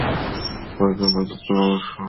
গল্পের মজা নষ্ট হয়ে যায়।